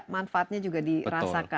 manfaatnya juga dirasakan